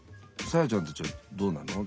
サーヤちゃんたちはどうなの？